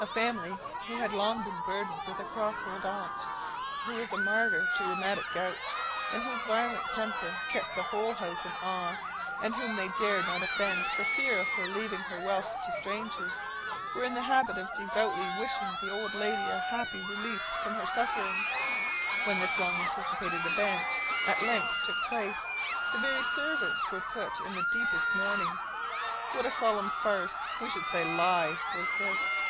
A family who had long been burthened with a cross old aunt, who was a martyr to rheumatic gout, and whose violent temper kept the whole house in awe, and whom they dared not offend for fear of her leaving her wealth to strangers, were in the habit of devoutly wishing the old lady a happy release from her sufferings. When this long anticipated event at length took place, the very servants were put into the deepest mourning. What a solemn farce we should say, lie was this!